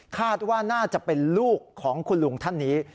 คาดว่าน่าจะเป็นลูกของคุณลุงท่านนี้